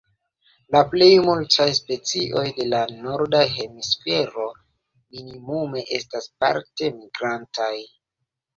La plej multaj specioj de la Norda Hemisfero minimume estas parte migrantaj.